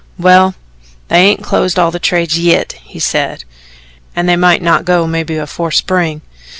"Well, they hain't closed all the trades yit," he said, "an' they mought not go mebbe afore spring.